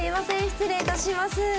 失礼いたします。